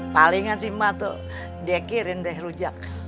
palingan sih emak tuh dikirin deh rujak